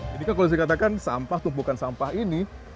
jadi kalau saya katakan sampah tumpukan sampah ini